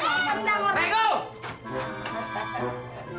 mudah mudahan sih ella